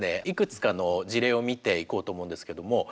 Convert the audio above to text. いくつかの事例を見ていこうと思うんですけども。